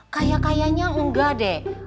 kayak kayanya enggak deh